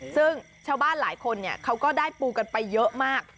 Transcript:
ซึ่งชาวบ้านหลายคนเขาก็ได้ปูกันไปเยอะมาก